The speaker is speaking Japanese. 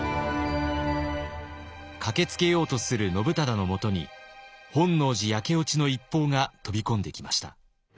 駆けつけようとする信忠のもとに本能寺焼け落ちの一報が飛び込んできました。